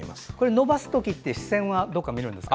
伸ばすときは視線はどこか見るんですか？